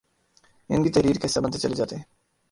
ان کی تحریر کا حصہ بنتے چلے جاتے ہیں